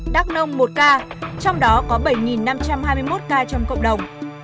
đắk nông một ca trong đó có bảy năm trăm hai mươi một ca trong cộng đồng